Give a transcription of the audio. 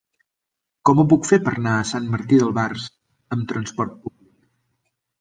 Com ho puc fer per anar a Sant Martí d'Albars amb trasport públic?